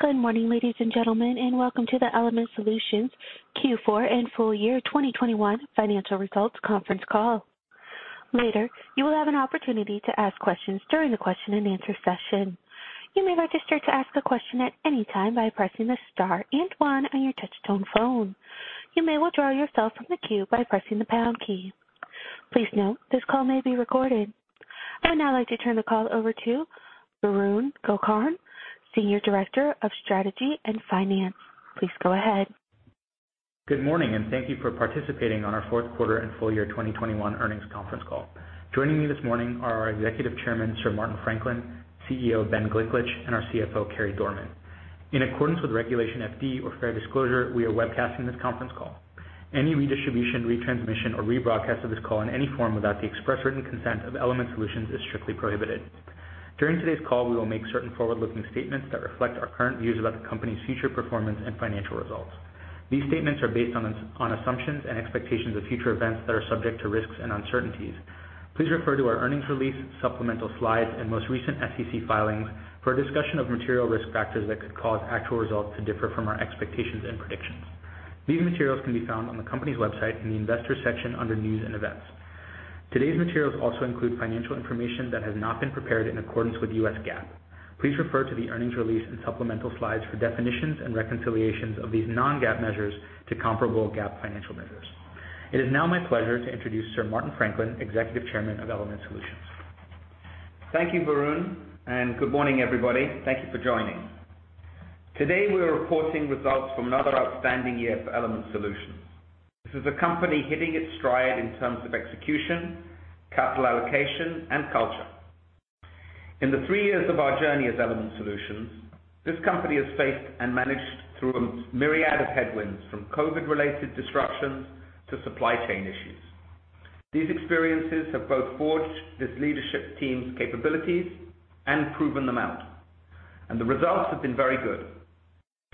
Good morning, ladies and gentlemen, and welcome to the Element Solutions Q4 and full year 2021 financial results conference call. Later, you will have an opportunity to ask questions during the question and answer session. You may register to ask a question at any time by pressing the star and one on your touchtone phone. You may withdraw yourself from the queue by pressing the pound key. Please note this call may be recorded. I would now like to turn the call over to Varun Gokarn, Senior Director of Strategy and Finance. Please go ahead. Good morning, and thank you for participating on our fourth quarter and full year 2021 earnings conference call. Joining me this morning are our Executive Chairman, Sir Martin Franklin, CEO Ben Gliklich, and our CFO, Carey Dorman. In accordance with Regulation FD or Fair Disclosure, we are webcasting this conference call. Any redistribution, retransmission, or rebroadcast of this call in any form without the express written consent of Element Solutions is strictly prohibited. During today's call, we will make certain forward-looking statements that reflect our current views about the company's future performance and financial results. These statements are based on assumptions and expectations of future events that are subject to risks and uncertainties. Please refer to our earnings release, supplemental slides, and most recent SEC filings for a discussion of material risk factors that could cause actual results to differ from our expectations and predictions. These materials can be found on the company's website in the Investors section under News & Events. Today's materials also include financial information that has not been prepared in accordance with U.S. GAAP. Please refer to the earnings release and supplemental slides for definitions and reconciliations of these non-GAAP measures to comparable GAAP financial measures. It is now my pleasure to introduce Sir Martin Franklin, Executive Chairman of Element Solutions. Thank you, Varun, and good morning, everybody. Thank you for joining. Today, we're reporting results from another outstanding year for Element Solutions. This is a company hitting its stride in terms of execution, capital allocation, and culture. In the three years of our journey as Element Solutions, this company has faced and managed through a myriad of headwinds from COVID-related disruptions to supply chain issues. These experiences have both forged this leadership team's capabilities and proven them out, and the results have been very good.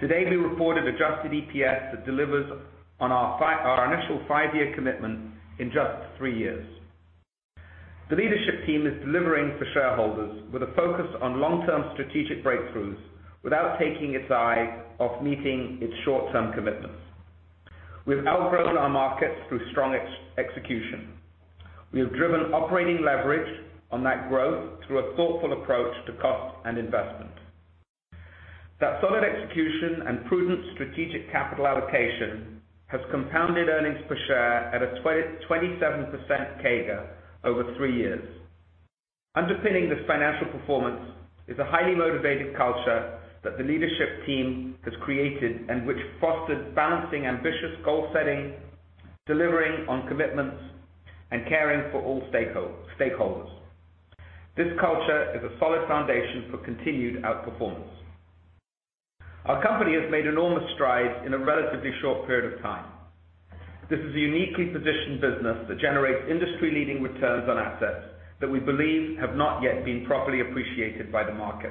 Today, we reported Adjusted EPS that delivers on our our initial five-year commitment in just three years. The leadership team is delivering for shareholders with a focus on long-term strategic breakthroughs without taking its eye off meeting its short-term commitments. We've outgrown our markets through strong execution. We have driven operating leverage on that growth through a thoughtful approach to cost and investment. That solid execution and prudent strategic capital allocation has compounded earnings per share at a 27% CAGR over 3 years. Underpinning this financial performance is a highly motivated culture that the leadership team has created and which fostered balancing ambitious goal setting, delivering on commitments, and caring for all stakeholders. This culture is a solid foundation for continued outperformance. Our company has made enormous strides in a relatively short period of time. This is a uniquely positioned business that generates industry-leading returns on assets that we believe have not yet been properly appreciated by the market.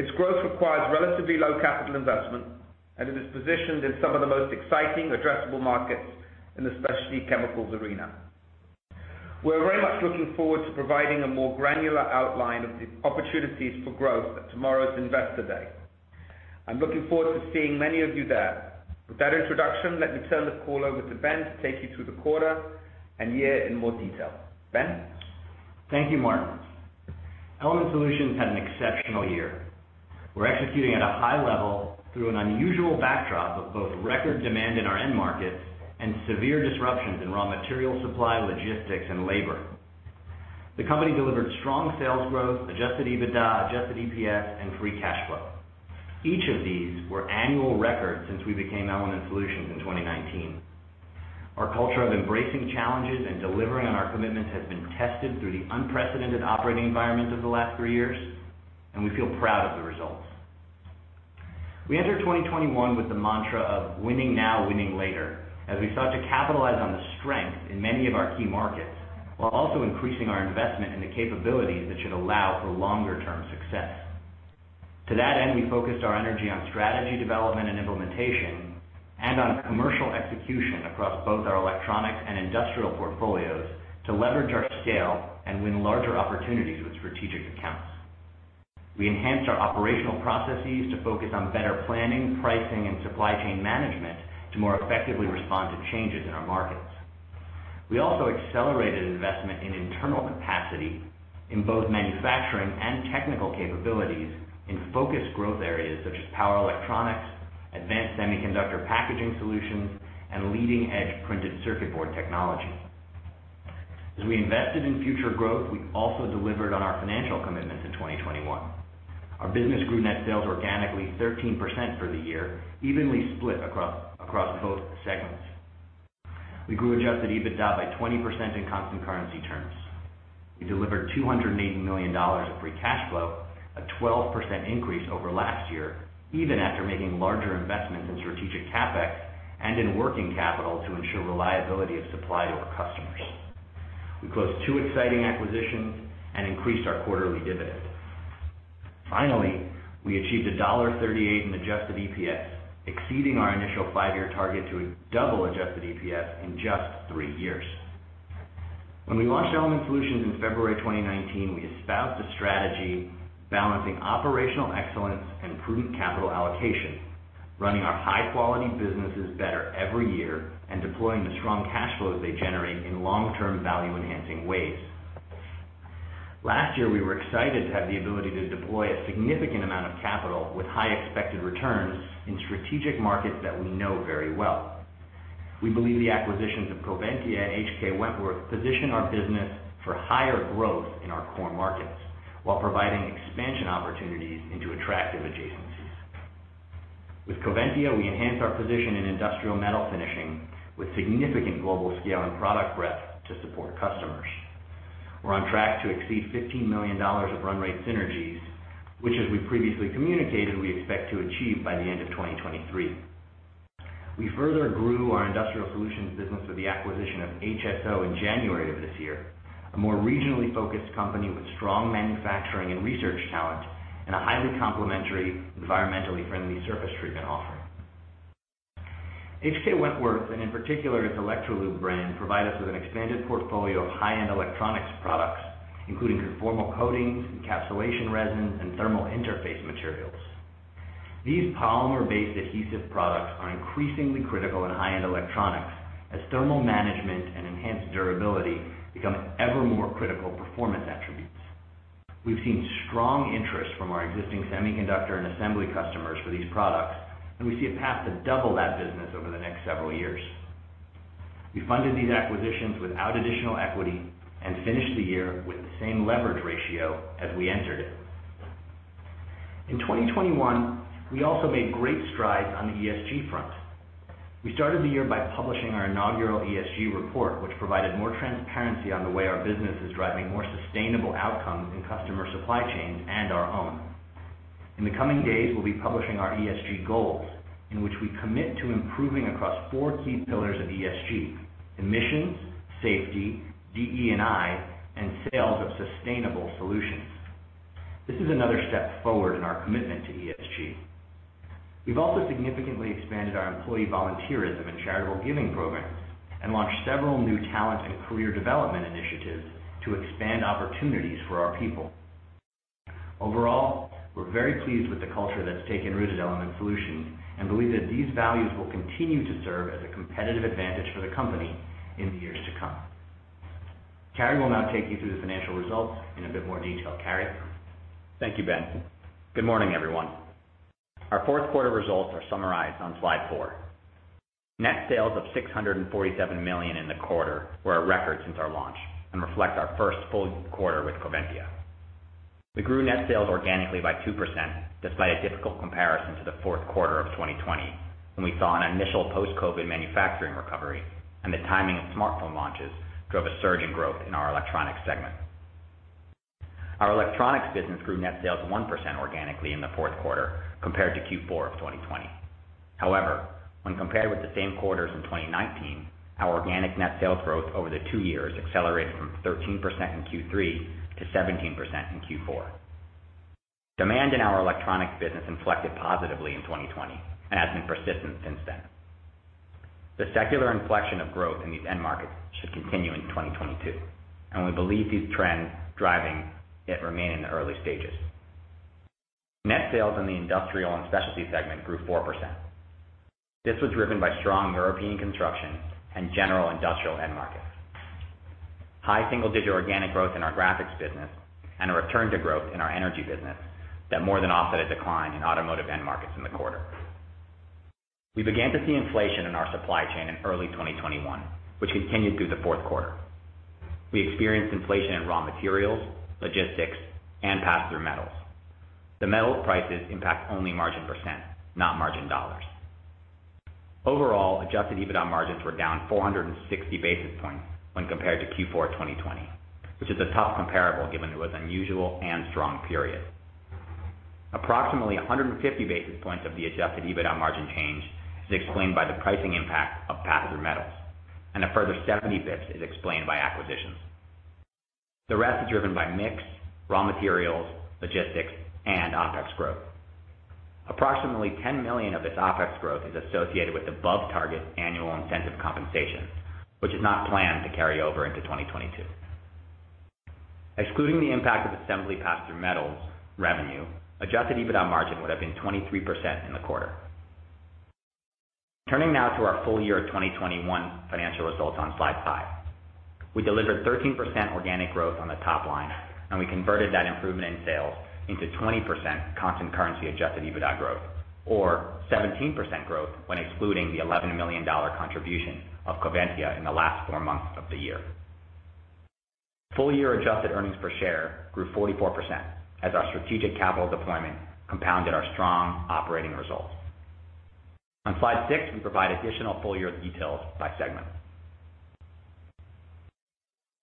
Its growth requires relatively low capital investment, and it is positioned in some of the most exciting addressable markets in the specialty chemicals arena. We're very much looking forward to providing a more granular outline of the opportunities for growth at tomorrow's Investor Day. I'm looking forward to seeing many of you there. With that introduction, let me turn this call over to Ben to take you through the quarter and year in more detail. Ben? Thank you, Martin. Element Solutions had an exceptional year. We're executing at a high level through an unusual backdrop of both record demand in our end markets and severe disruptions in raw material supply, logistics, and labor. The company delivered strong sales growth, Adjusted EBITDA, Adjusted EPS, and free cash flow. Each of these were annual records since we became Element Solutions in 2019. Our culture of embracing challenges and delivering on our commitments has been tested through the unprecedented operating environment of the last three years, and we feel proud of the results. We entered 2021 with the mantra of winning now, winning later, as we sought to capitalize on the strength in many of our key markets, while also increasing our investment in the capabilities that should allow for longer-term success. To that end, we focused our energy on strategy development and implementation and on commercial execution across both our electronics and industrial portfolios to leverage our scale and win larger opportunities with strategic accounts. We enhanced our operational processes to focus on better planning, pricing, and supply chain management to more effectively respond to changes in our markets. We also accelerated investment in internal capacity in both manufacturing and technical capabilities in focus growth areas such as Power Electronics, Advanced Semiconductor Packaging solutions, and leading-edge printed circuit board technology. As we invested in future growth, we also delivered on our financial commitments in 2021. Our business grew net sales organically 13% for the year, evenly split across both segments. We grew Adjusted EBITDA by 20% in constant currency terms. We delivered $280 million of free cash flow, a 12% increase over last year, even after making larger investments in strategic CapEx and in working capital to ensure reliability of supply to our customers. We closed two exciting acquisitions and increased our quarterly dividend. Finally, we achieved $1.38 in adjusted EPS, exceeding our initial five-year target to double adjusted EPS in just 3 years. When we launched Element Solutions in February 2019, we espoused the strategy balancing operational excellence and prudent capital allocation, running our high-quality businesses better every year and deploying the strong cash flows they generate in long-term value-enhancing ways. Last year, we were excited to have the ability to deploy a significant amount of capital with high expected returns in strategic markets that we know very well. We believe the acquisitions of Coventya and HK Wentworth position our business for higher growth in our core markets while providing expansion opportunities into attractive adjacencies. With Coventya, we enhance our position in industrial metal finishing with significant global scale and product breadth to support customers. We're on track to exceed $15 million of run rate synergies, which as we previously communicated, we expect to achieve by the end of 2023. We further grew our industrial solutions business with the acquisition of HSO in January of this year, a more regionally focused company with strong manufacturing and research talent, and a highly complementary, environmentally friendly surface treatment offering. HK. Wentworth, and in particular its Electrolube brand, provide us with an expanded portfolio of high-end electronics products, including conformal coatings, encapsulation resins, and thermal interface materials. These polymer-based adhesive products are increasingly critical in high-end electronics as thermal management and enhanced durability become evermore critical performance attributes. We've seen strong interest from our existing semiconductor and assembly customers for these products, and we see a path to double that business over the next several years. We funded these acquisitions without additional equity and finished the year with the same leverage ratio as we entered it. In 2021, we also made great strides on the ESG front. We started the year by publishing our inaugural ESG report, which provided more transparency on the way our business is driving more sustainable outcomes in customer supply chain and our own. In the coming days, we'll be publishing our ESG goals in which we commit to improving across four key pillars of ESG: emissions, safety, DE&I, and sales of sustainable solutions. This is another step forward in our commitment to ESG. We've also significantly expanded our employee volunteerism and charitable giving programs and launched several new talent and career development initiatives to expand opportunities for our people. Overall, we're very pleased with the culture that's taken root at Element Solutions and believe that these values will continue to serve as a competitive advantage for the company in the years to come. Carey will now take you through the financial results in a bit more detail. Carey. Thank you, Ben. Good morning, everyone. Our fourth quarter results are summarized on slide four. Net sales of $647 million in the quarter were a record since our launch and reflect our first full quarter with Coventya. We grew net sales organically by 2% despite a difficult comparison to the fourth quarter of 2020, when we saw an initial post-COVID manufacturing recovery and the timing of smartphone launches drove a surge in growth in our electronics segment. Our electronics business grew net sales 1% organically in the fourth quarter compared to Q4 of 2020. However, when compared with the same quarters in 2019, our organic net sales growth over the two years accelerated from 13% in Q3 to 17% in Q4. Demand in our electronics business inflected positively in 2020 and has been persistent since then. The secular inflection of growth in these end markets should continue into 2022, and we believe these trends driving it remain in the early stages. Net sales in the industrial and specialty segment grew 4%. This was driven by strong European construction and general industrial end markets. High single-digit organic growth in our Graphics business and a return to growth in our energy business that more than offset a decline in automotive end markets in the quarter. We began to see inflation in our supply chain in early 2021, which continued through the fourth quarter. We experienced inflation in raw materials, logistics, and pass-through metals. The metals prices impact only margin percent, not margin dollars. Overall, Adjusted EBITDA margins were down 460 basis points when compared to Q4 2020, which is a tough comparable given it was unusual and strong period. Approximately 150 basis points of the Adjusted EBITDA margin change is explained by the pricing impact of pass-through metals, and a further 70 basis points is explained by acquisitions. The rest is driven by mix, raw materials, logistics, and OpEx growth. Approximately $10 million of this OpEx growth is associated with above-target annual incentive compensation, which is not planned to carry over into 2022. Excluding the impact of assembly pass-through metals revenue, Adjusted EBITDA margin would have been 23% in the quarter. Turning now to our full year 2021 financial results on slide 5. We delivered 13% organic growth on the top line, and we converted that improvement in sales into 20% constant currency Adjusted EBITDA growth, or 17% growth when excluding the $11 million contribution of Coventya in the last four months of the year. Full year Adjusted earnings per share grew 44% as our strategic capital deployment compounded our strong operating results. On slide 6, we provide additional full year details by segment.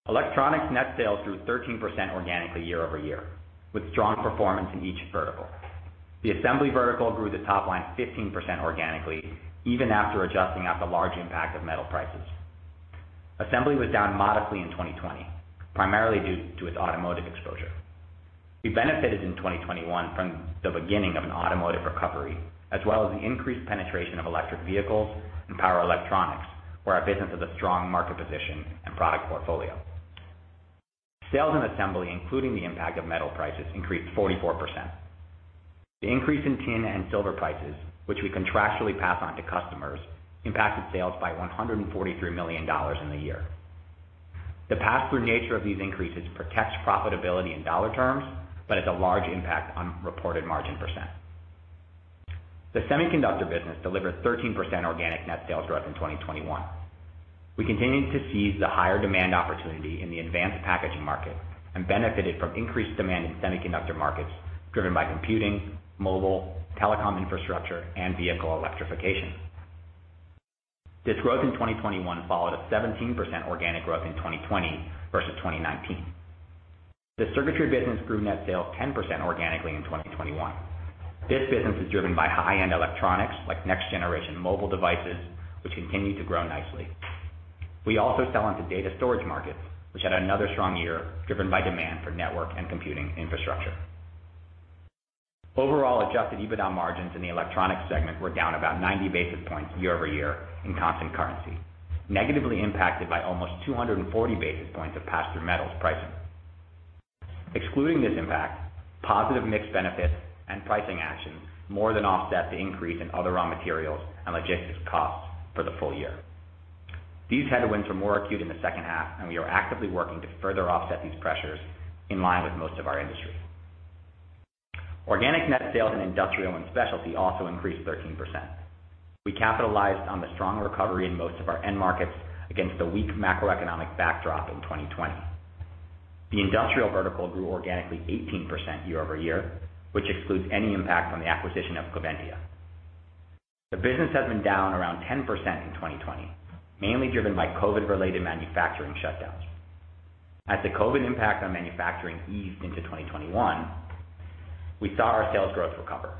Electronics net sales grew 13% organically year-over-year with strong performance in each vertical. The Assembly vertical grew the top line 15% organically even after adjusting out the large impact of metal prices. Assembly was down modestly in 2020, primarily due to its automotive exposure. We benefited in 2021 from the beginning of an automotive recovery, as well as the increased penetration of electric vehicles and Power Electronics, where our business has a strong market position and product portfolio. Sales and Assembly, including the impact of metal prices, increased 44%. The increase in tin and silver prices, which we contractually pass on to customers, impacted sales by $143 million in the year. The passthrough nature of these increases protects profitability in dollar terms, but has a large impact on reported margin percent. The semiconductor business delivered 13% organic net sales growth in 2021. We continued to seize the higher demand opportunity in the advanced packaging market and benefited from increased demand in semiconductor markets driven by computing, mobile, telecom infrastructure, and vehicle electrification. This growth in 2021 followed a 17% organic growth in 2020 versus 2019. The circuitry business grew net sales 10% organically in 2021. This business is driven by high-end electronics like next generation mobile devices, which continue to grow nicely. We also sell into data storage markets, which had another strong year driven by demand for network and computing infrastructure. Overall Adjusted EBITDA margins in the electronics segment were down about 90 basis points year-over-year in constant currency, negatively impacted by almost 240 basis points of passthrough metals pricing. Excluding this impact, positive mix benefits and pricing actions more than offset the increase in other raw materials and logistics costs for the full year. These headwinds are more acute in the second half, and we are actively working to further offset these pressures in line with most of our industry. Organic net sales in Industrial & Specialty also increased 13%. We capitalized on the strong recovery in most of our end markets against the weak macroeconomic backdrop in 2020. The Industrial vertical grew organically 18% year-over-year, which excludes any impact from the acquisition of Coventya. The business has been down around 10% in 2020, mainly driven by COVID-related manufacturing shutdowns. As the COVID impact on manufacturing eased into 2021, we saw our sales growth recover.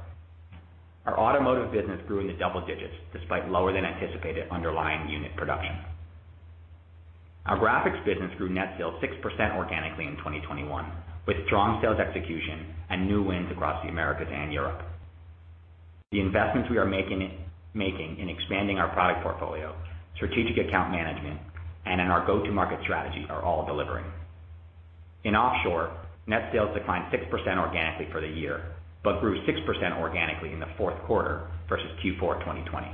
Our automotive business grew in the double digits despite lower than anticipated underlying unit production. Our graphics business grew net sales 6% organically in 2021, with strong sales execution and new wins across the Americas and Europe. The investments we are making in expanding our product portfolio, strategic account management, and in our go-to-market strategy are all delivering. In offshore, net sales declined 6% organically for the year, but grew 6% organically in the fourth quarter versus Q4 2020.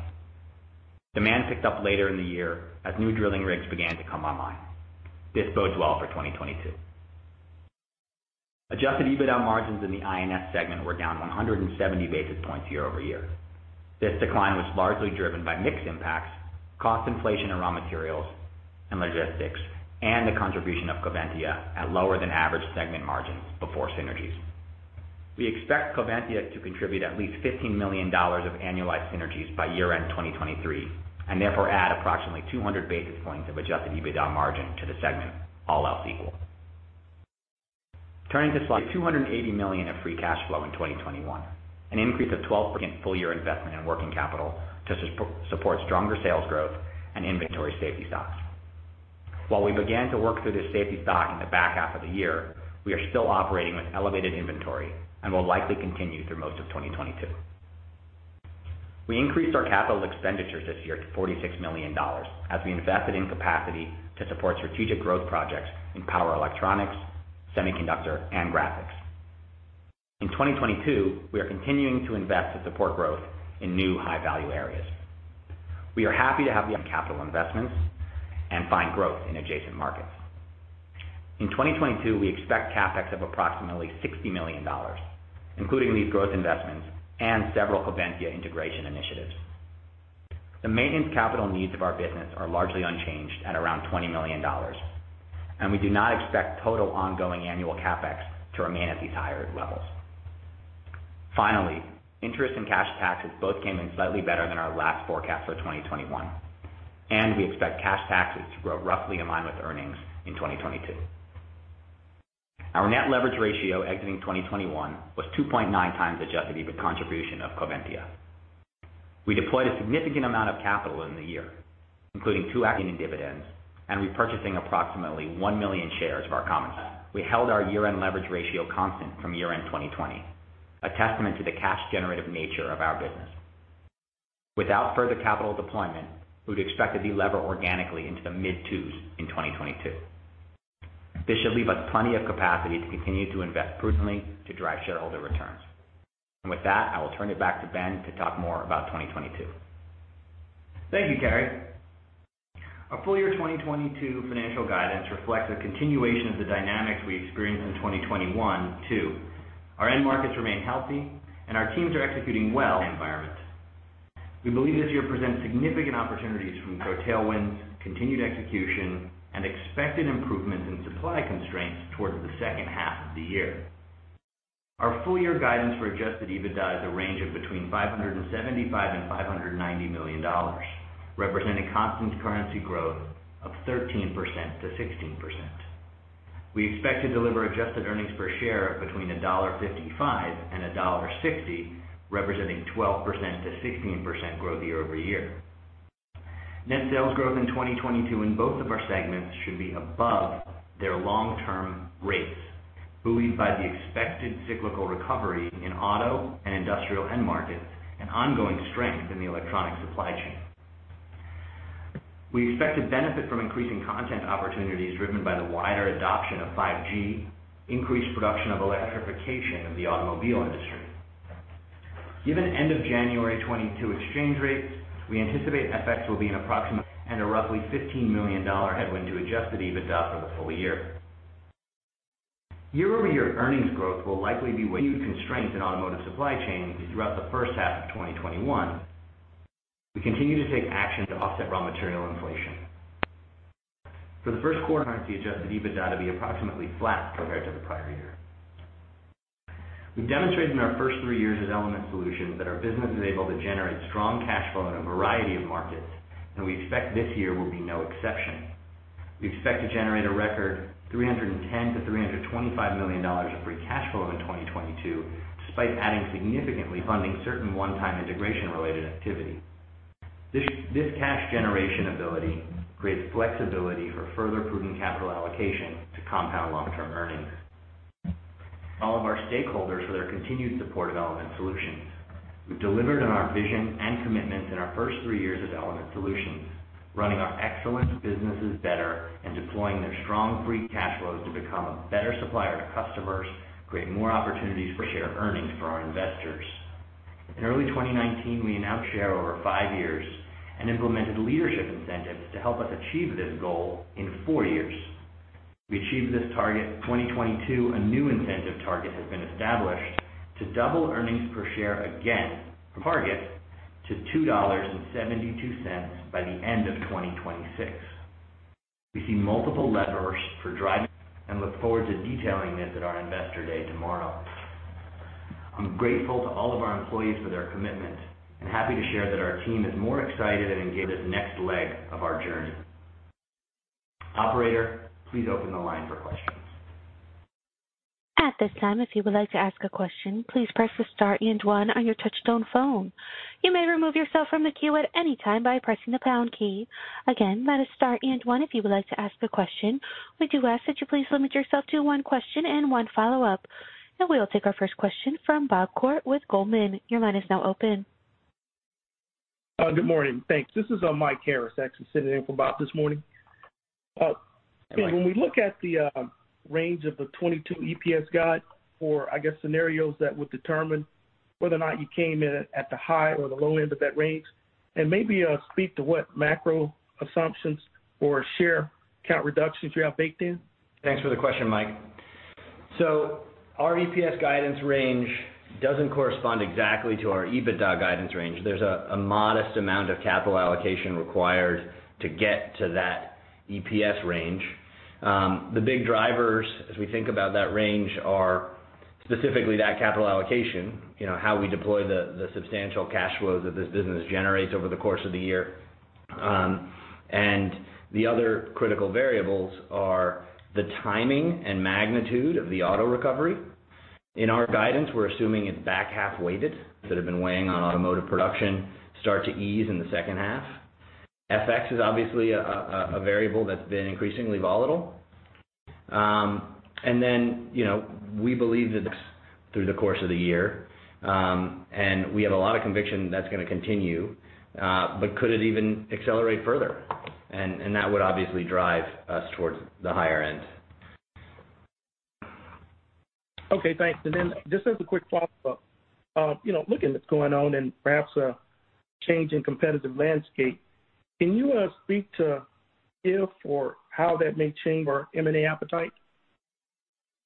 Demand picked up later in the year as new drilling rigs began to come online. This bodes well for 2022. Adjusted EBITDA margins in the I&S segment were down 170 basis points year-over-year. This decline was largely driven by mix impacts, cost inflation and raw materials and logistics, and the contribution of Coventya at lower than average segment margins before synergies. We expect Coventya to contribute at least $15 million of annualized synergies by year-end 2023, and therefore add approximately 200 basis points of Adjusted EBITDA margin to the segment, all else equal. Turning to slide 20. We generated $280 million of free cash flow in 2021, an increase of 12% versus 2020. We invested $47 million in full year investment and working capital to support stronger sales growth and inventory safety stocks. While we began to work through this safety stock in the back half of the year, we are still operating with elevated inventory and will likely continue through most of 2022. We increased our capital expenditures this year to $46 million as we invested in capacity to support strategic growth projects in Power Electronics, Semiconductor, and Graphics. In 2022, we are continuing to invest to support growth in new high-value areas. We are happy to have the option to deploy capital investments and find growth in adjacent markets. In 2022, we expect CapEx of approximately $60 million, including these growth investments and several Coventya integration initiatives. The maintenance capital needs of our business are largely unchanged at around $20 million, and we do not expect total ongoing annual CapEx to remain at these higher levels. Finally, interest and cash taxes both came in slightly better than our last forecast for 2021, and we expect cash taxes to grow roughly in line with earnings in 2022. Our net leverage ratio exiting 2021 was 2.9 times adjusted EBITDA. We deployed a significant amount of capital in the year, including two dividends and repurchasing approximately 1 million shares of our common stock. We held our year-end leverage ratio constant from year-end 2020, a testament to the cash generative nature of our business. Without further capital deployment, we would expect to delever organically into the mid-twos in 2022. This should leave us plenty of capacity to continue to invest prudently to drive shareholder returns. With that, I will turn it back to Ben to talk more about 2022. Thank you, Carey. Our full year 2022 financial guidance reflects a continuation of the dynamics we experienced in 2021, too. Our end markets remain healthy and our teams are executing well in any environment. We believe this year presents significant opportunities from macro tailwinds, continued execution, and expected improvements in supply constraints towards the second half of the year. Our full year guidance for Adjusted EBITDA is a range of between $575 million and $590 million, representing constant currency growth of 13%-16%. We expect to deliver adjusted earnings per share of between $1.55 and $1.60, representing 12%-16% growth year-over-year. Net sales growth in 2022 in both of our segments should be above their long-term rates, buoyed by the expected cyclical recovery in auto and industrial end markets and ongoing strength in the electronic supply chain. We expect to benefit from increasing content opportunities driven by the wider adoption of 5G, increased production of electrification of the automobile industry. Given end-of-January 2022 exchange rates, we anticipate FX will be approximately $15 million headwind to adjusted EBITDA for the full year. Year-over-year earnings growth will likely be constrained in automotive supply chain throughout the first half of 2021. We continue to take action to offset raw material inflation. for the first quarter, the Adjusted EBITDA to be approximately flat compared to the prior year. We've demonstrated in our first three years as Element Solutions that our business is able to generate strong cash flow in a variety of markets, and we expect this year will be no exception. We expect to generate a record $310 million-$325 million of free cash flow in 2022, despite adding significant funding for certain one-time integration-related activities. This cash generation ability creates flexibility for further prudent capital allocation to compound long-term earnings. Thank all of our stakeholders for their continued support of Element Solutions. We've delivered on our vision and commitments in our first three years as Element Solutions, running our excellent businesses better and deploying their strong free cash flows to become a better supplier to customers, create more opportunities for share earnings for our investors. In early 2019, we announced share over five years and implemented leadership incentives to help us achieve this goal in four years. We achieved this target. In 2022, a new incentive target has been established to double earnings per share again target to $2.72 by the end of 2026. We see multiple levers for driving and look forward to detailing this at our Investor Day tomorrow. I'm grateful to all of our employees for their commitment and happy to share that our team is more excited than this next leg of our journey. Operator, please open the line for questions. At this time, if you would like to ask a question, please press the star and one on your touchtone phone. You may remove yourself from the queue at any time by pressing the pound key. Again, that is star and one if you would like to ask a question. We do ask that you please limit yourself to one question and one follow-up. We will take our first question from Bob Koort with Goldman. Your line is now open. Good morning. Thanks. This is Mike Harris actually sitting in for Bob this morning. When we look at the range of the 2022 EPS guide for, I guess, scenarios that would determine whether or not you came in at the high or the low end of that range, and maybe speak to what macro assumptions or share count reductions you have baked in. Thanks for the question, Mike. Our EPS guidance range doesn't correspond exactly to our EBITDA guidance range. There's a modest amount of capital allocation required to get to that EPS range. The big drivers as we think about that range are specifically that capital allocation, you know, how we deploy the substantial cash flows that this business generates over the course of the year. The other critical variables are the timing and magnitude of the auto recovery. In our guidance, we're assuming it's back-half weighted that have been weighing on automotive production start to ease in the second half. FX is obviously a variable that's been increasingly volatile. You know, we believe that through the course of the year, and we have a lot of conviction that's gonna continue, but could it even accelerate further? That would obviously drive us towards the higher end. Okay, thanks. Just as a quick follow-up. You know, looking at what's going on and perhaps a change in competitive landscape, can you speak to if or how that may change our M&A appetite?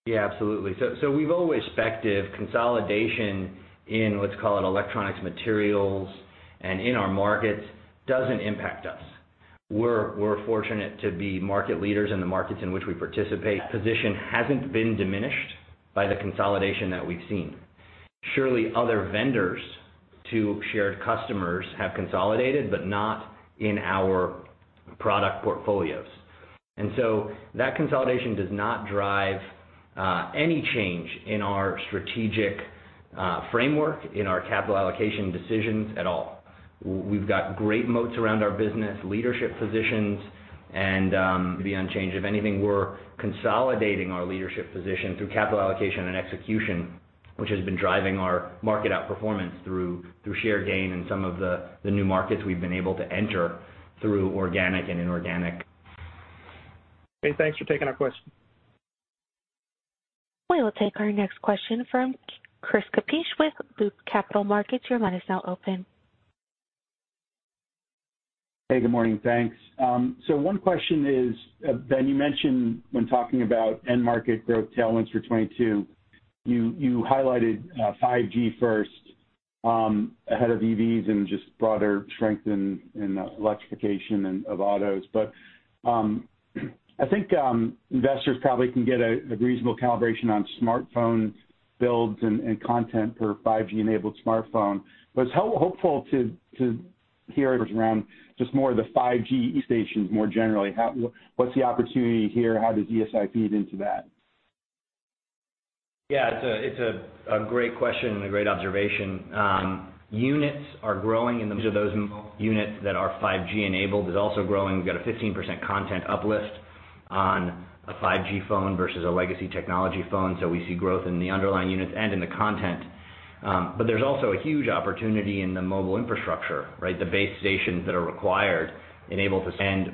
Yeah, absolutely. We've always expected consolidation in, let's call it, electronics materials and in our markets doesn't impact us. We're fortunate to be market leaders in the markets in which we participate. Our position hasn't been diminished by the consolidation that we've seen. Surely other vendors to shared customers have consolidated, but not in our product portfolios. That consolidation does not drive any change in our strategic framework, in our capital allocation decisions at all. We've got great moats around our business leadership positions and to be unchanged. If anything, we're consolidating our leadership position through capital allocation and execution, which has been driving our market outperformance through share gain in some of the new markets we've been able to enter through organic and inorganic. Okay, thanks for taking our question. We will take our next question from Chris Kapsch with Loop Capital Markets. Your line is now open. Hey, good morning. Thanks. One question is, Ben, you mentioned when talking about end market growth tailwinds for 2022, you highlighted 5G first, ahead of EVs and just broader strength in electrification of autos. I think investors probably can get a reasonable calibration on smartphone builds and content per 5G-enabled smartphone. I was hopeful to hear around just more of the 5G base stations more generally. What's the opportunity here? How does ESI feed into that? Yeah, it's a great question and a great observation. Units are growing, and those units that are 5G enabled are also growing. We've got a 15% content uplift on a 5G phone versus a legacy technology phone. So we see growth in the underlying units and in the content. But there's also a huge opportunity in the mobile infrastructure, right? The base stations that are required to enable.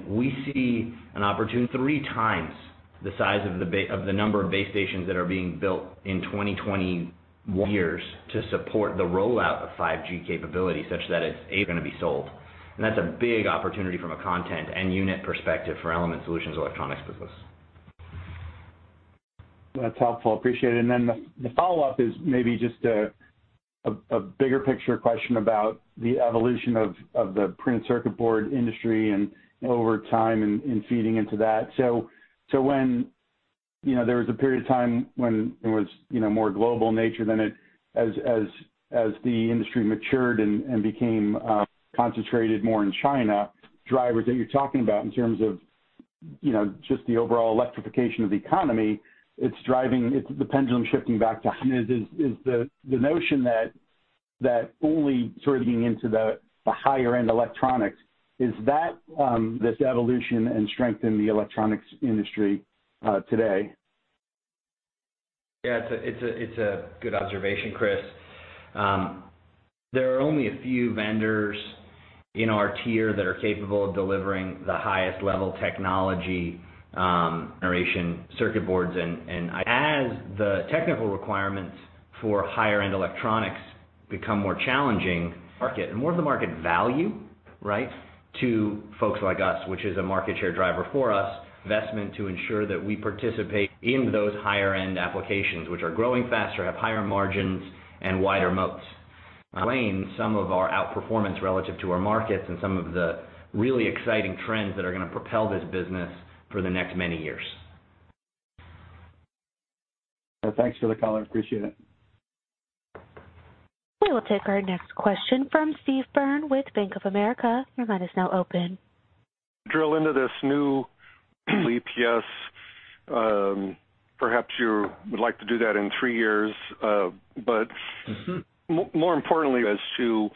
We see an opportunity three times the size of the number of base stations that are being built in 2021 to support the rollout of 5G capability such that it's going to be sold. That's a big opportunity from a content and unit perspective for Element Solutions electronics business. That's helpful. I appreciate it. Then the follow-up is maybe just a bigger picture question about the evolution of the printed circuit board industry over time and feeding into that. When you know there was a period of time when it was you know more global in nature than it is as the industry matured and became concentrated more in China, drivers that you're talking about in terms of you know just the overall electrification of the economy. It's driving, it's the pendulum shifting back to is the notion that only sort of being into the higher end electronics is that this evolution and strength in the electronics industry today. Yeah, it's a good observation, Chris. There are only a few vendors in our tier that are capable of delivering the highest level technology generation circuit boards. As the technical requirements for higher-end electronics become more challenging market and more of the market value, right, to folks like us, which is a market share driver for us, investment to ensure that we participate in those higher-end applications which are growing faster, have higher margins and wider moats explains some of our outperformance relative to our markets and some of the really exciting trends that are gonna propel this business for the next many years. Thanks for the color. Appreciate it. We will take our next question from Steve Byrne with Bank of America. Your line is now open. Drill into this new EPS. Perhaps you would like to do that in three years. Mm-hmm. More importantly, as to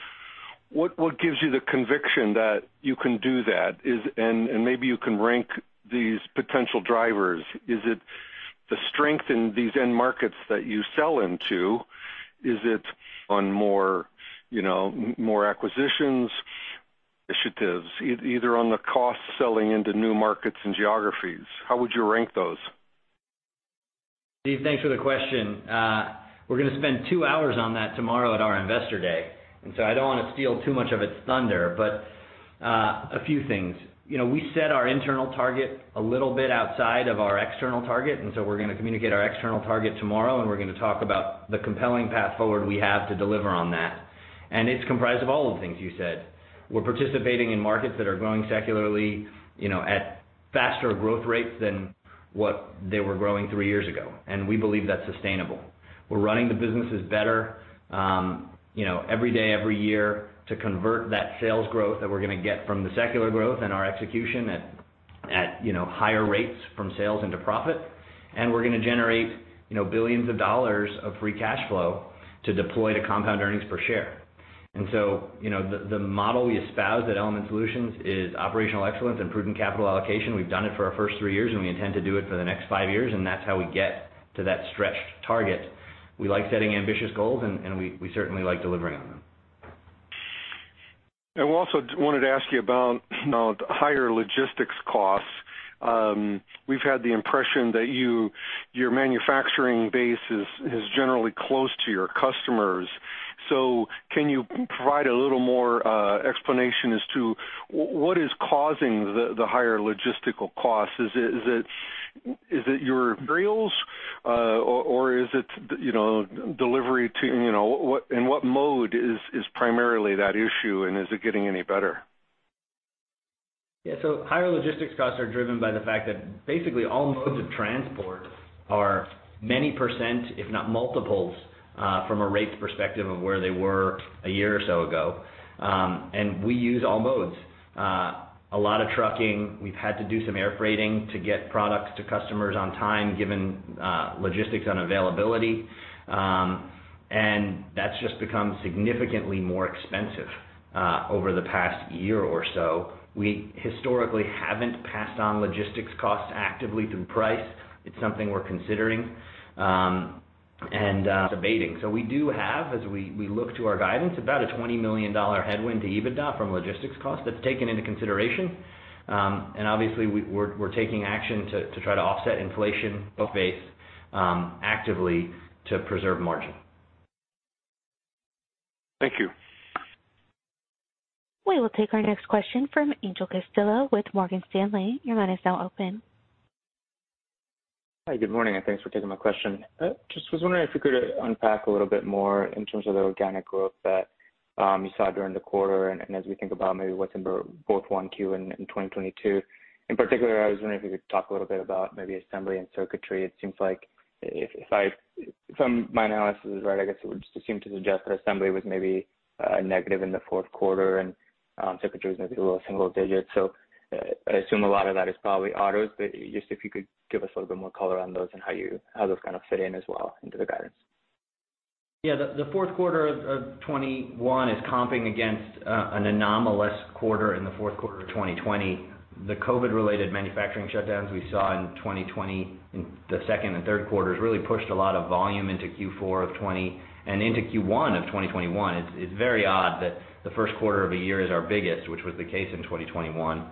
what gives you the conviction that you can do that, and maybe you can rank these potential drivers. Is it the strength in these end markets that you sell into? Is it on more, you know, more acquisitions initiatives, either cross-selling into new markets and geographies? How would you rank those? Steve, thanks for the question. We're gonna spend two hours on that tomorrow at our investor day, and so I don't wanna steal too much of its thunder, but a few things. You know, we set our internal target a little bit outside of our external target, and so we're gonna communicate our external target tomorrow, and we're gonna talk about the compelling path forward we have to deliver on that. It's comprised of all of the things you said. We're participating in markets that are growing secularly, you know, at faster growth rates than what they were growing three years ago, and we believe that's sustainable. We're running the businesses better, you know, every day, every year to convert that sales growth that we're gonna get from the secular growth and our execution at, you know, higher rates from sales into profit. We're gonna generate, you know, billions of dollars of free cash flow to deploy to compound earnings per share. You know, the model we espouse at Element Solutions is operational excellence and prudent capital allocation. We've done it for our first three years, and we intend to do it for the next five years, and that's how we get to that stretched target. We like setting ambitious goals and we certainly like delivering on them. We also wanted to ask you about, you know, the higher logistics costs. We've had the impression that your manufacturing base is generally close to your customers, so can you provide a little more explanation as to what is causing the higher logistical costs? Is it your materials, or is it, you know, delivery to, you know, in what mode is primarily that issue, and is it getting any better? Yeah. Higher logistics costs are driven by the fact that basically all modes of transport are many%, if not multiples, from a rates perspective of where they were a year or so ago. We use all modes. A lot of trucking. We've had to do some air freighting to get products to customers on time, given logistics unavailability. That's just become significantly more expensive over the past year or so. We historically haven't passed on logistics costs actively through price. It's something we're considering and debating. We do have, as we look to our guidance about a $20 million headwind to EBITDA from logistics costs. That's taken into consideration. Obviously we're taking action to try to offset inflation base actively to preserve margin. Thank you. We will take our next question from Angel Castillo with Morgan Stanley. Your line is now open. Hi, good morning, and thanks for taking my question. Just was wondering if you could unpack a little bit more in terms of the organic growth that you saw during the quarter and as we think about maybe what's in both 1Q and in 2022. In particular, I was wondering if you could talk a little bit about maybe assembly and circuitry. It seems like from my analysis, right, I guess it would seem to suggest that assembly was maybe negative in the fourth quarter and circuitry was maybe a little single digits. I assume a lot of that is probably autos, but just if you could give us a little bit more color on those and how those kind of fit in as well into the guidance. Yeah, the fourth quarter of 2021 is comping against an anomalous quarter in the fourth quarter of 2020. The COVID related manufacturing shutdowns we saw in 2020 in the second and third quarters really pushed a lot of volume into Q4 of 2020 and into Q1 of 2021. It's very odd that the first quarter of a year is our biggest, which was the case in 2021.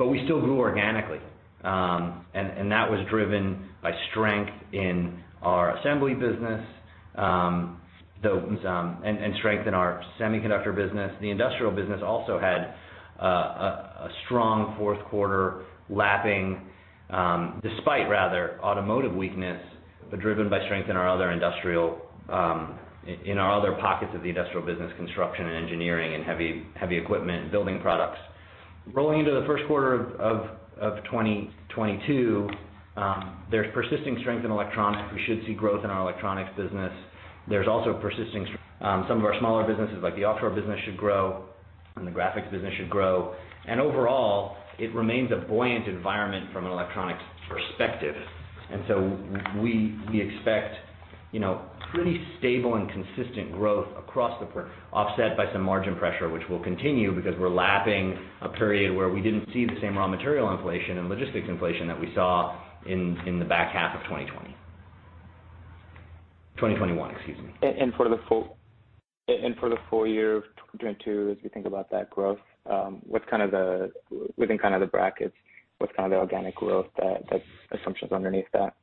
We still grew organically. That was driven by strength in our assembly business and strength in our semiconductor business. The industrial business also had a strong fourth quarter lapping despite rather automotive weakness, but driven by strength in our other industrial, in our other pockets of the industrial business construction and engineering and heavy equipment and building products. Rolling into the first quarter of 2022, there's persisting strength in electronics. We should see growth in our electronics business. There's also persisting. Some of our smaller businesses like the offshore business should grow and the graphics business should grow. Overall, it remains a buoyant environment from an electronics perspective. We expect, you know, pretty stable and consistent growth across the board, offset by some margin pressure, which will continue because we're lapping a period where we didn't see the same raw material inflation and logistics inflation that we saw in the back half of 2021, excuse me. For the full year of 2022, as we think about that growth, within kind of the brackets, what's kind of the organic growth that assumptions underneath that?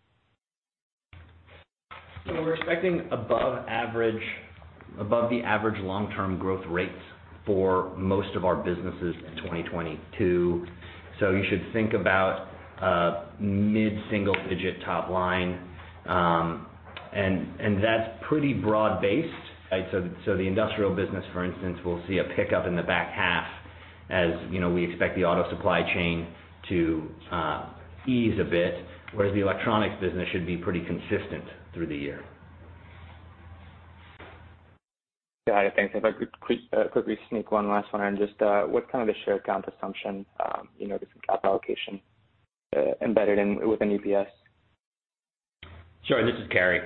We're expecting above average, above the average long-term growth rates for most of our businesses in 2022. You should think about mid-single digit top line. And that's pretty broad-based. Right? The industrial business, for instance, will see a pickup in the back half as you know, we expect the auto supply chain to ease a bit, whereas the electronics business should be pretty consistent through the year. Yeah. Thanks. If I could quickly sneak one last one in. Just, what's kind of the share count assumption, you know, just in capital allocation, embedded within EPS? Sure. This is Carey.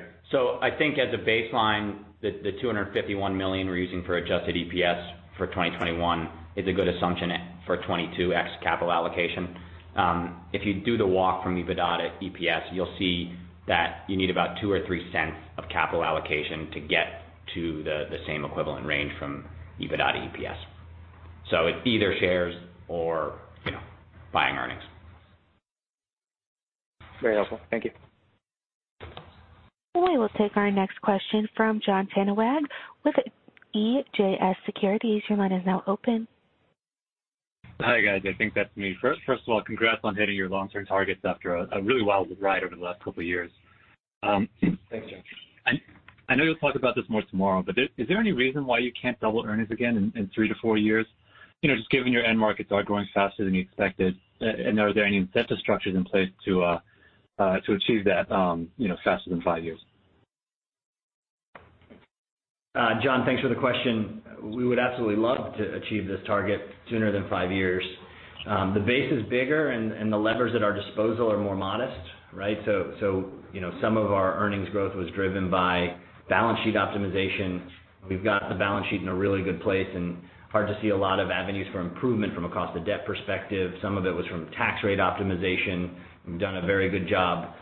I think as a baseline, the $251 million we're using for adjusted EPS for 2021 is a good assumption for 2022 ex capital allocation. If you do the walk from EBITDA to EPS, you'll see that you need about $0.02 or $0.03 of capital allocation to get to the same equivalent range from EBITDA to EPS. It's either shares or, you know, buying earnings. Very helpful. Thank you. We will take our next question from Jon Tanwanteng with CJS Securities. Your line is now open. Hi, guys. I think that's me. First of all, congrats on hitting your long-term targets after a really wild ride over the last couple of years. Thanks, Jon. I know you'll talk about this more tomorrow, but is there any reason why you can't double earnings again in 3-4 years? You know, just given your end markets are growing faster than you expected, and are there any incentive structures in place to achieve that, you know, faster than 5 years? Jon, thanks for the question. We would absolutely love to achieve this target sooner than five years. The base is bigger and the levers at our disposal are more modest, right? So, you know, some of our earnings growth was driven by balance sheet optimization. We've got the balance sheet in a really good place and hard to see a lot of avenues for improvement from a cost of debt perspective. Some of it was from tax rate optimization. We've done a very good job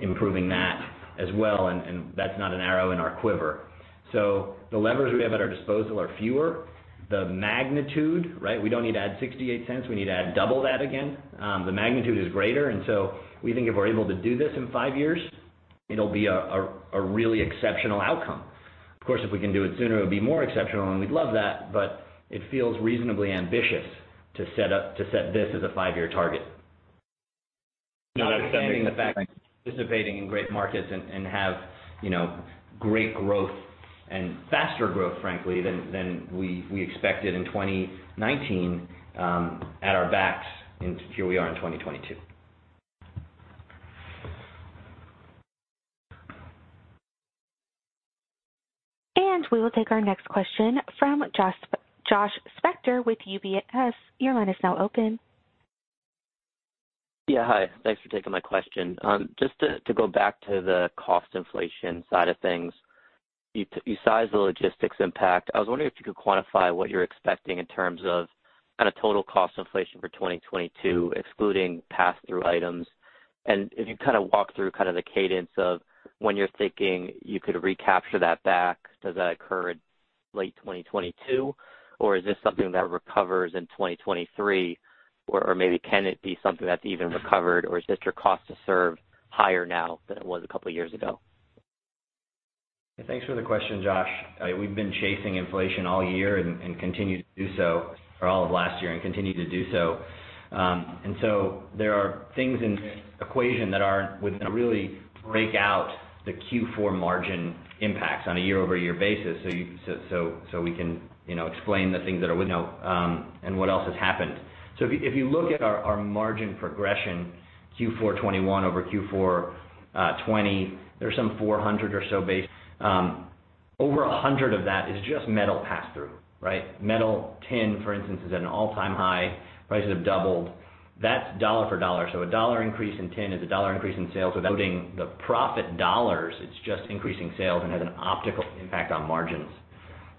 improving that as well, and that's not an arrow in our quiver. So the levers we have at our disposal are fewer. The magnitude, right? We don't need to add $0.68, we need to add double that again. The magnitude is greater, and so we think if we're able to do this in five years, it'll be a really exceptional outcome. Of course, if we can do it sooner, it would be more exceptional and we'd love that, but it feels reasonably ambitious to set this as a five-year target. Participating in great markets and we have, you know, great growth and faster growth, frankly, than we expected in 2019, at our backs, and here we are in 2022. We will take our next question from Josh Spector with UBS. Your line is now open. Yeah. Hi. Thanks for taking my question. Just to go back to the cost inflation side of things. You sized the logistics impact. I was wondering if you could quantify what you're expecting in terms of kind of total cost inflation for 2022, excluding pass-through items. If you kind of walk through kind of the cadence of when you're thinking you could recapture that back. Does that occur in late 2022, or is this something that recovers in 2023? Or maybe can it be something that's even recovered, or is just your cost to serve higher now than it was a couple of years ago? Thanks for the question, Josh. We've been chasing inflation all year and continue to do so or all of last year and continue to do so. There are things in the equation that would really break out the Q4 margin impacts on a year-over-year basis. We can, you know, explain the things that are, you know, and what else has happened. If you look at our margin progression, Q4 2021 over Q4 2020, there's some 400 or so basis points. Over 100 of that is just metal pass-through, right? Metal tin, for instance, is at an all-time high. Prices have doubled. That's dollar-for-dollar. A $1 increase in tin is a $1 increase in sales without including the profit dollars. It's just increasing sales and has an optical impact on margins.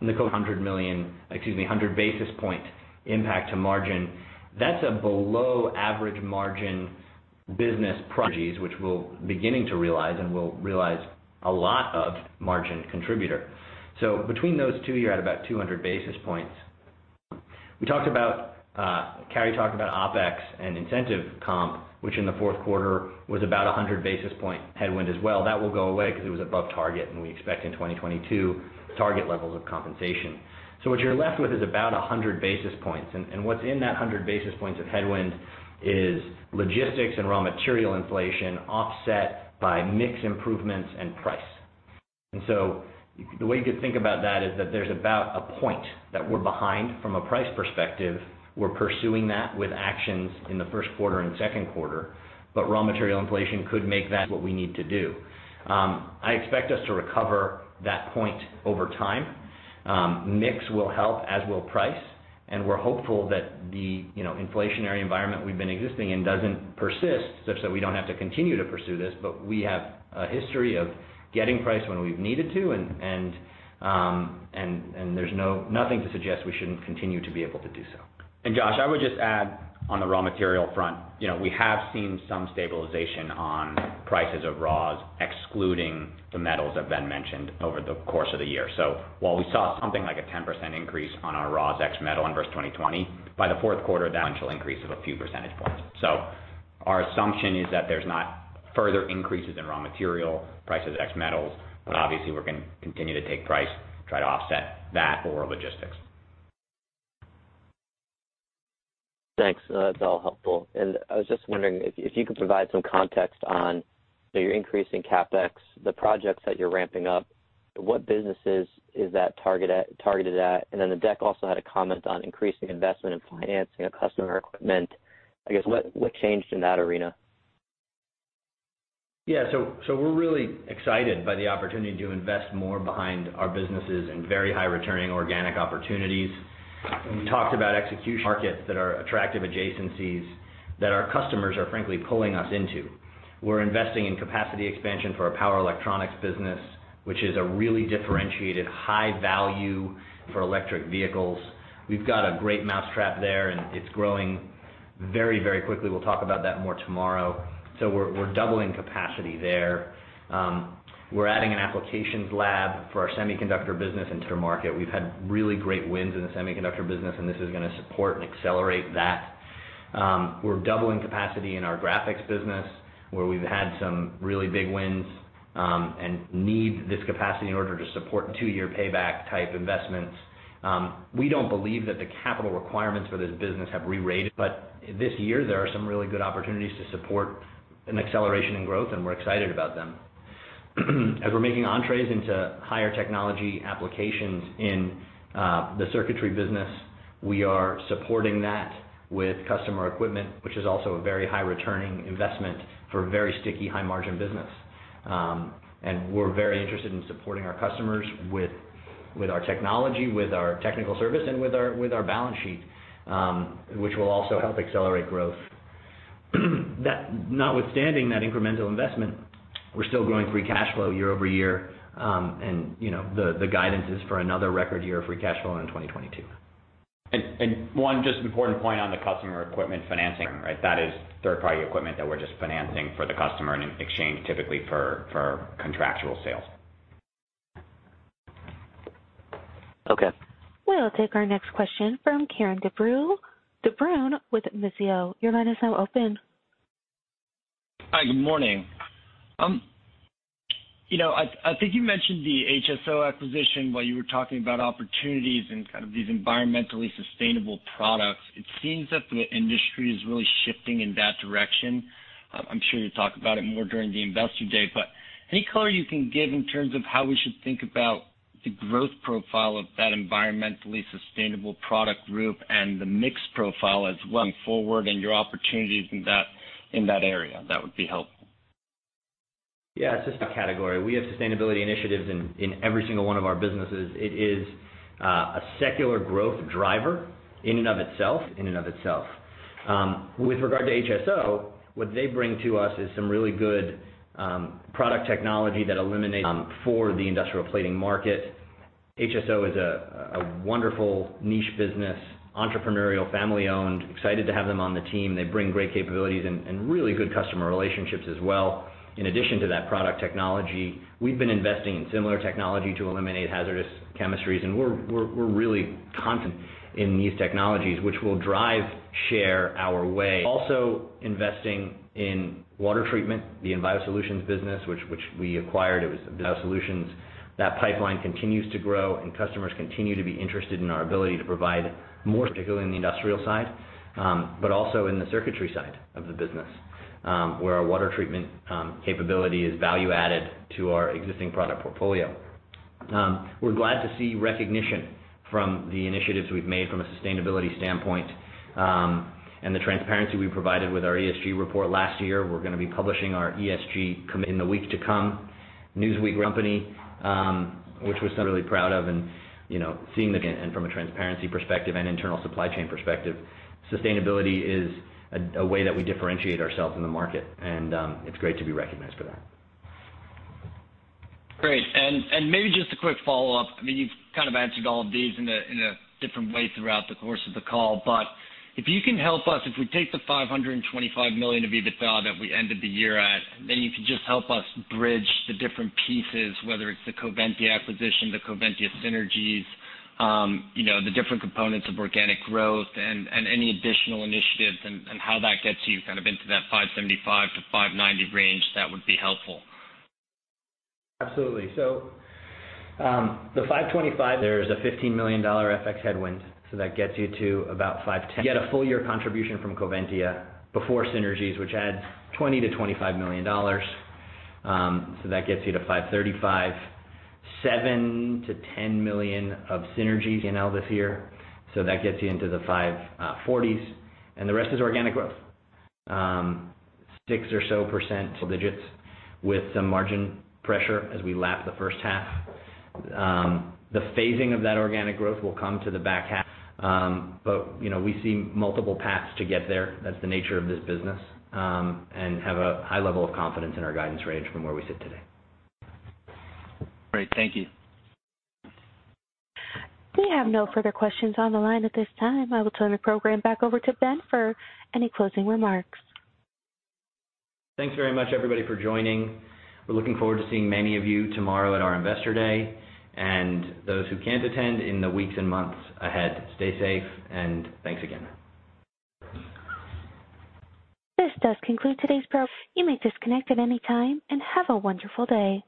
A 100 basis point impact to margin. That's a below-average margin business synergies which we will begin to realize and will realize a lot of margin contributor. Between those two, you're at about 200 basis points. We talked about, Carey talked about OpEx and incentive comp, which in the fourth quarter was about a 100 basis point headwind as well. That will go away because it was above target, and we expect in 2022 target levels of compensation. What you're left with is about a 100 basis points. What's in that 100 basis points of headwind is logistics and raw material inflation offset by mix improvements and price. The way you could think about that is that there's about a point that we're behind from a price perspective. We're pursuing that with actions in the first quarter and second quarter. Raw material inflation could make that what we need to do. I expect us to recover that point over time. Mix will help, as will price. We're hopeful that the, you know, inflationary environment we've been existing in doesn't persist, such that we don't have to continue to pursue this. We have a history of getting price when we've needed to, and there's nothing to suggest we shouldn't continue to be able to do so. Josh, I would just add on the raw material front. You know, we have seen some stabilization on prices of raws, excluding the metals that Ben mentioned over the course of the year. While we saw something like a 10% increase on our raws ex-metal input versus 2020, by the fourth quarter, that increase of a few percentage points. Our assumption is that there's not further increases in raw material prices, ex metals, but obviously we're gonna continue to take price to try to offset that for logistics. Thanks. That's all helpful. I was just wondering if you could provide some context on, you know, your increase in CapEx, the projects that you're ramping up, what businesses is that targeted at? Then the deck also had a comment on increasing investment and financing of customer equipment. I guess, what changed in that arena? Yeah. We're really excited by the opportunity to invest more behind our businesses in very high-returning organic opportunities. We talked about execution markets that are attractive adjacencies that our customers are frankly pulling us into. We're investing in capacity expansion for our Power Electronics business, which is a really differentiated high-value for electric vehicles. We've got a great mousetrap there, and it's growing very, very quickly. We'll talk about that more tomorrow. We're doubling capacity there. We're adding an applications lab for our Semiconductor business into the market. We've had really great wins in the Semiconductor business, and this is gonna support and accelerate that. We're doubling capacity in our graphics business, where we've had some really big wins, and need this capacity in order to support two-year payback type investments. We don't believe that the capital requirements for this business have rerated. This year there are some really good opportunities to support an acceleration in growth, and we're excited about them. As we're making entries into higher technology applications in the circuitry business, we are supporting that with customer equipment, which is also a very high returning investment for a very sticky, high margin business. We're very interested in supporting our customers with our technology, with our technical service, and with our balance sheet, which will also help accelerate growth. That notwithstanding that incremental investment, we're still growing free cash flow year over year. You know the guidance is for another record year of free cash flow in 2022. One just important point on the customer equipment financing, right? That is third-party equipment that we're just financing for the customer in exchange typically for contractual sales. Okay. We'll take our next question from David Begleiter with Mizuho. Your line is now open. Hi. Good morning. You know, I think you mentioned the HSO acquisition while you were talking about opportunities and kind of these environmentally sustainable products. It seems that the industry is really shifting in that direction. I'm sure you'll talk about it more during the investor day, but any color you can give in terms of how we should think about the growth profile of that environmentally sustainable product group and the mix profile as well going forward and your opportunities in that area? That would be helpful. Yeah. It's just a category. We have sustainability initiatives in every single one of our businesses. It is a secular growth driver in and of itself. With regard to HSO, what they bring to us is some really good product technology that eliminates for the industrial plating market. HSO is a wonderful niche business, entrepreneurial, family owned, excited to have them on the team. They bring great capabilities and really good customer relationships as well. In addition to that product technology, we've been investing in similar technology to eliminate hazardous chemistries. We're really confident in these technologies which will drive share our way. Also investing in water treatment, the Envio Solutions business which we acquired. It was Envio Solutions. That pipeline continues to grow and customers continue to be interested in our ability to provide more, particularly in the industrial side, but also in the circuitry side of the business, where our water treatment capability is value added to our existing product portfolio. We're glad to see recognition from the initiatives we've made from a sustainability standpoint, and the transparency we provided with our ESG report last year. We're gonna be publishing our ESG report in the week to come. Newsweek company, which we're certainly proud of and, you know, seeing again and from a transparency perspective and internal supply chain perspective, sustainability is a way that we differentiate ourselves in the market, and it's great to be recognized for that. Great. Maybe just a quick follow-up. I mean, you've kind of answered all of these in a different way throughout the course of the call, but if you can help us, if we take the $525 million of EBITDA that we ended the year at, and then you can just help us bridge the different pieces, whether it's the Coventya acquisition, the Coventya synergies, the different components of organic growth and any additional initiatives and how that gets you kind of into that $575 million-$590 million range, that would be helpful. Absolutely. The $525 million, there is a $15 million FX headwind, so that gets you to about $510 million. You get a full year contribution from Coventya before synergies, which adds $20 million-$25 million. That gets you to $535 million. $7 million-$10 million of synergies in I&S here, so that gets you into the 540s, and the rest is organic growth. 6% or so in single digits with some margin pressure as we lap the first half. The phasing of that organic growth will come to the back half. You know, we see multiple paths to get there. That's the nature of this business, and we have a high level of confidence in our guidance range from where we sit today. Great. Thank you. We have no further questions on the line at this time. I will turn the program back over to Ben for any closing remarks. Thanks very much everybody for joining. We're looking forward to seeing many of you tomorrow at our Investor Day. Those who can't attend in the weeks and months ahead, stay safe and thanks again. You may disconnect at any time and have a wonderful day.